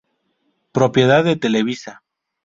Propiedad de Televisa.